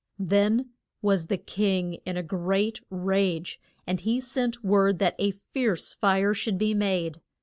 Then was the king in a great rage, and he sent word that a fierce fire should be made.